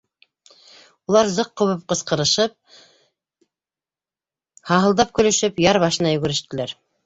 Улар, зыҡ ҡубып ҡысҡырышып, һаһылдап көлөшөп, яр башына йүгерештеләр.